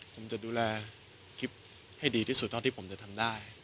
ผมจะดูแลกิฟต์ให้ดีที่สุดต้อนที่ผมจะทำได้